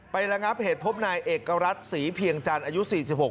ไปแล้วครับเหตุพบนายเอกรัฐศรีเพียงจันทร์อายุสี่สิบหก